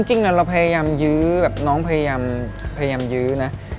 จริงเราพยายามยื้อแบบน้องพยายามยื้อนะ